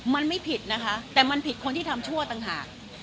มันไม่ผิดนะคะแต่มันผิดคนที่ทำชั่วต่างหาก